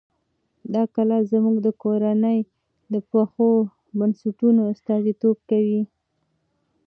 دا کلا زموږ د کورنۍ د پخو بنسټونو استازیتوب کوي.